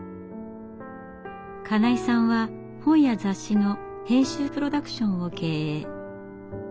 金井さんは本や雑誌の編集プロダクションを経営。